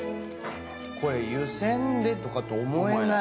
これ湯煎でとかって思えない。